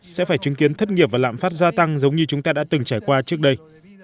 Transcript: sẽ phải chứng kiến thất nghiệp và lạm phát gia tăng giống như chúng ta đã từng trải qua trước đây